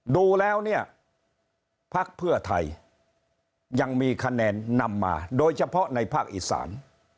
ดูแล้วเนี่ยพักเพื่อไทยยังมีคะแนนนำมาโดยเฉพาะในภาคอีสาน